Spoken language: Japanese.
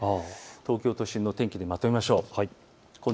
東京都心の天気でまとめましょう。